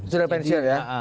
sudah pensiun ya